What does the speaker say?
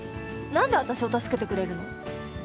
何で私を助けてくれるの？